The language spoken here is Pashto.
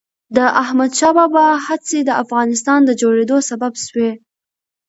د احمد شاه بابا هڅې د افغانستان د جوړېدو سبب سوي.